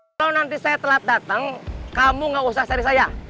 kalau nanti saya telat datang kamu nggak usah cari saya